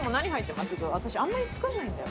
私あんまり作らないんだよ。